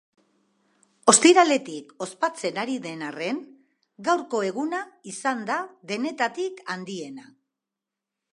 Ostiraletik ospatzen ari den arren, gaurko eguna izan da denetatik handiena.